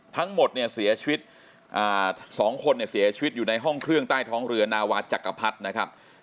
ทั้งหมดเนี่ยเสียชีวิต๒คนเนี่ยเสียชีวิตอยู่ในห้องเครื่องใต้ท้องเรือนาวาจักรพรรดินะครับ